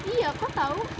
iya kok tau